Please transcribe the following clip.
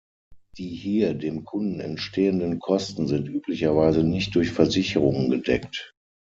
Die hier dem Kunden entstehenden Kosten sind üblicherweise nicht durch Versicherungen gedeckt.